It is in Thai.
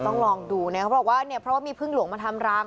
ต้องลองดูเนี่ยเขาบอกว่าเนี่ยเพราะว่ามีพึ่งหลวงมาทำรัง